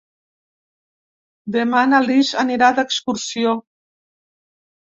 Demà na Lis anirà d'excursió.